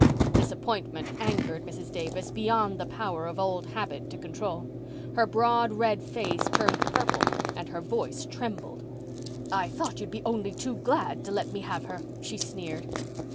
Disappointment angered Mrs. Davis beyond the power of old habit to control. Her broad red face turned purple and her voice trembled. "I thought you'd be only too glad to let me have her," she sneered.